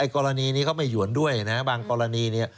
กรณีนี้เขาไม่หยวนด้วยนะบางกรณีเนี่ย